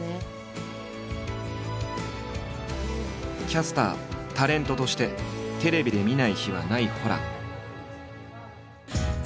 キャスタータレントとしてテレビで見ない日はないホラン。